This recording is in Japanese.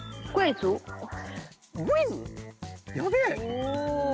お。